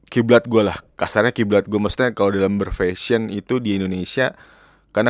kiblat gua lah kasarnya kiblat gua maksudnya kalau dalam berfesyen itu di indonesia karena